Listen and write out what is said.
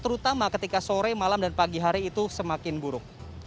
terutama ketika sore malam dan pagi hari itu semakin buruk